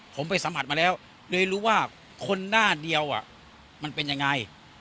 ผมไปสัมผัสมาแล้วเลยรู้ว่าคนหน้าเดียวมันเป็นยังไง